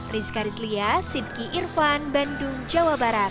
rizka rizlia sidki irfan bandung jawa barat